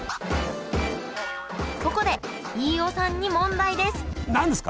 ここで飯尾さんに問題です！